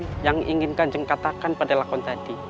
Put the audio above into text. ada dua pesan yang ingin kanjeng katakan pada lakon tadi